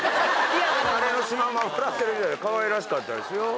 あれのシマウマが笑ってるみたいでかわいらしかったですよ。